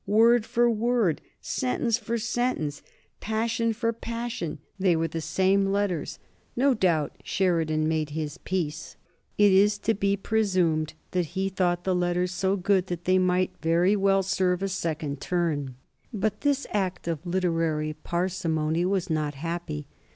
Word for word, sentence for sentence, passion for passion, they were the same letters. No doubt Sheridan made his peace. It is to be presumed that he thought the letters so good that they might very well serve a second turn; but this act of literary parsimony was not happy.